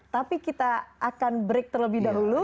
tapi kita akan break terlebih dahulu